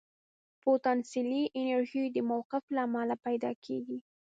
پوتانسیلي انرژي د موقف له امله پیدا کېږي.